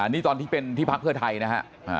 นี่ตอนที่เป็นที่พักเพื่อไทยนะฮะ